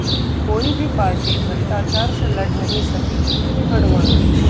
कोई भी पार्टी भ्रष्टाचार से लड़ नहीं सकती: आडवाणी